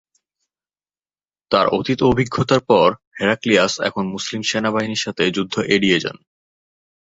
তার অতীত অভিজ্ঞতার পর, হেরাক্লিয়াস এখন মুসলিম সেনাবাহিনীর সাথে যুদ্ধ এড়িয়ে যান।